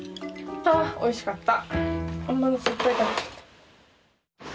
ああおいしかった。